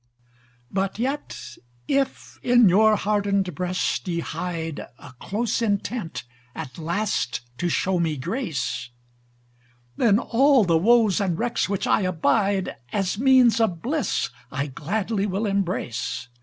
But yet if in your hardened breast ye hide, A close intent at last to show me grace: Then all the woes and wrecks which I abide, As means of bliss I gladly will embrace.